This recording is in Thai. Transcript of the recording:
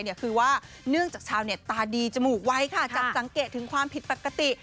คือว่าเนื่องจากชาวเน็ตตาดีจมูกไวค่ะจับสังเกตถึงความผิดปกติ